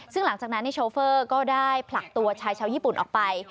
ซึ่งหลังจากนั้นโชเฟอร์ก็ได้ผลักตัวชายชาวญี่ปุ่นออกไป